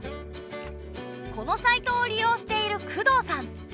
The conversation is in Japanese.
このサイトを利用している工藤さん。